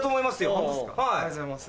ありがとうございます。